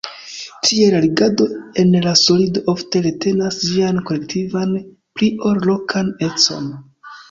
Tiel, la ligado en la solido ofte retenas ĝian kolektivan pli ol lokan econ.